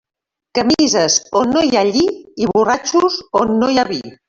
Camises on no hi ha lli i borratxos on no hi ha vi.